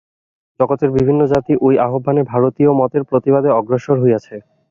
জগতের বিভিন্ন জাতি ঐ আহ্বানে ভারতীয় মতের প্রতিবাদে অগ্রসর হইয়াছে।